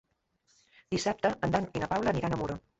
Dissabte en Dan i na Paula aniran a Muro.